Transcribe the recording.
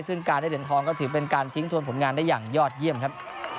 ซึ่งการได้เหรียญทองก็ถือเป็นการทิ้งทวนผลงานได้อย่างยอดเยี่ยมครับ